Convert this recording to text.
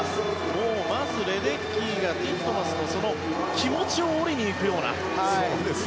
もうレデッキーがティットマスの気持ちを折りにいくような。